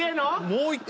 もう１個。